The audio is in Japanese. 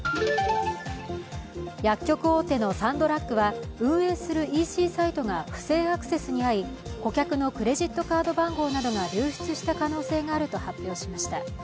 薬局大手のサンドラッグは、運営するＥＣサイトが不正アクセスに遭い、顧客のクレジットカード番号などが流出した可能性があると発表しました。